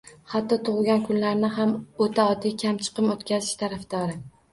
Hatto, tug`ilgan kunlarni ham o`ta oddiy, kamchiqim o`tkazish tarafdori